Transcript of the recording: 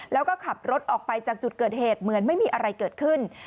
แล้วก็ขับรถออกไปจากจุดเกิดเหตุเหมือนไม่มีอะไรเกิดขึ้น